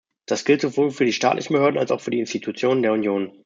Das gilt sowohl für die staatlichen Behörden als auch für die Institutionen der Union.